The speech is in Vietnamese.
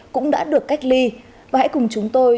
cũng đã được cách ly và hãy cùng chúng tôi